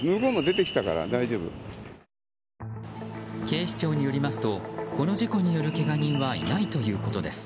警視庁によりますとこの事故によるけが人はいないということです。